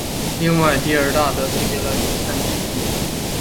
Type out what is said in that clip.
另外第二大的则终结了泥盆纪时期。